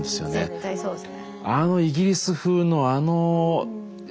絶対そうですね。